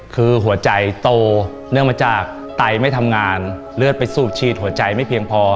คือหัวใจโตเนื่องมาจากไตไม่ทำงานเลือดไปสูบฉีดหัวใจไม่เพียงพอ